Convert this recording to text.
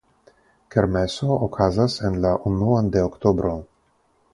Kermeso okazas en la unuan de oktobro.